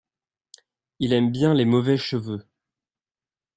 Il aime bien les mauvais cheveux.